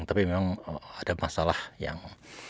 tapi memang ada masalah yang